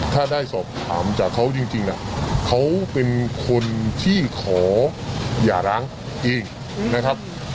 ถ้าได้สอบถามจากเขาจริงเขาเป็นคนที่ขออย่าร้างเองนะครับ